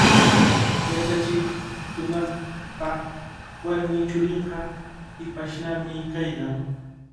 Yachachikuqpa warmi churinqa hipashnami kaykan.